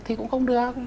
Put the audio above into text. thì cũng không được